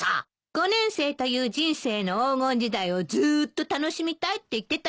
５年生という人生の黄金時代をずーっと楽しみたいって言ってた人のことよ。